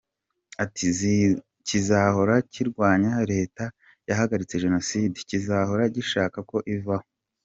Ati “Kizahora kirwanya Leta yahagaritse Jenoside, kizahora gishaka ko ivaho.